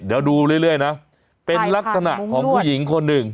เดี๋ยวดูเรื่อยนะเป็นลักษณะของผู้หญิงคนหนึ่ง